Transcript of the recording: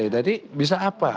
jadi bisa apa